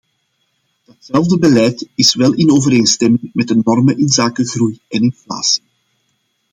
Datzelfde beleid is wel in overeenstemming met de normen inzake groei en inflatie.